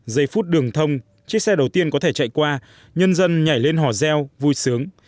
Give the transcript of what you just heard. giây phút đường thông chiếc xe đầu tiên có thể chạy qua nhân dân nhảy lên hò reo vui sướng